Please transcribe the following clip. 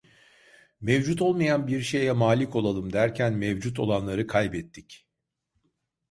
Mevcut olmayan bir şeye malik olalım derken mevcut olanları kaybettik…